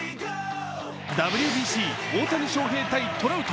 ＷＢＣ、大谷翔平対トラウト。